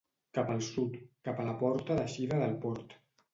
Cap al sud, cap a la porta d'eixida del port.